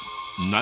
何？